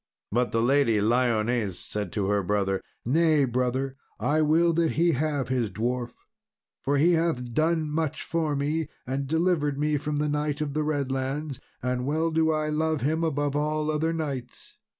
But the Lady Lyones said to her brother, "Nay brother, but I will that he have his dwarf, for he hath done much for me, and delivered me from the Knight of the Redlands, and well do I love him above all other knights."